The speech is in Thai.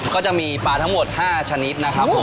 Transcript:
ก็จะมีปลาทั้งหมด๕ชนิดนะครับผม